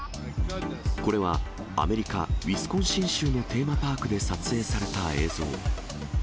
これはアメリカ・ウィスコンシン州のテーマパークで撮影された映像。